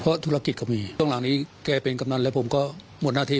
เพราะธุรกิจก็มีตรงหลังนี้แกเป็นกำนันแล้วผมก็หมดหน้าที่